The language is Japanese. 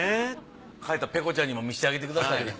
帰ったらペコちゃんにも見せてあげてください。